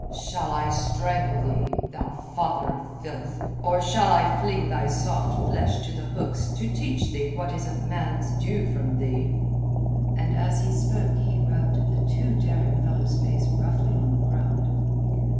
"Shall I strangle thee, thou father of filth, or shall I fling thy soft flesh to the hooks to teach thee what is a man's due from thee?" And as he spoke he rubbed the too daring fellow's face roughly on the ground.